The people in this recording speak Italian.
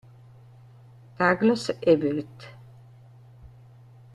Douglas Everett